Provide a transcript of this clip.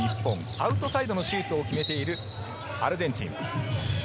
アウトサイドのシュートを決めている、アルゼンチン。